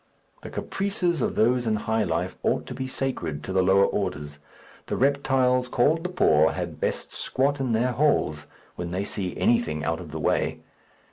The caprices of those in high life ought to be sacred to the lower orders. The reptiles called the poor had best squat in their holes when they see anything out of the way.